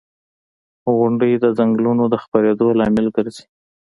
• غونډۍ د ځنګلونو د خپرېدو لامل ګرځي.